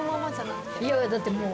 いやいやだってもう。